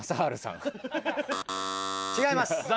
違います。